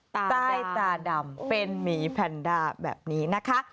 ใต้ตาดำเป็นหมีแพนด้าแบบนี้นะคะ